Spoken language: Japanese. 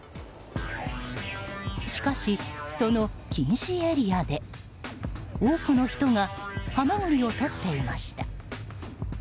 しかし、その禁止エリアで多くの人がハマグリをとっていました。